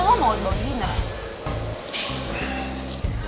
lo mau bawa diner